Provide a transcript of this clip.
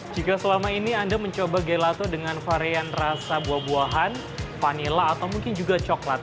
jika selama ini anda mencoba gelato dengan varian rasa buah buahan vanila atau mungkin juga coklat